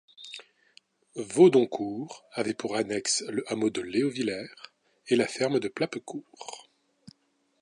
Vaudoncourt avait pour annexes le hameau de Léoviller et la ferme de Plappecourt.